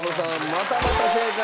またまた正解。